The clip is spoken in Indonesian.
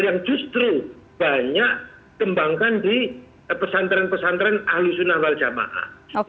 yang justru banyak kembangkan di pesantren pesantren ahlus sunnah wal jamaah